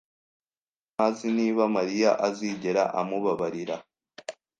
Tom ntazi niba Mariya azigera amubabarira.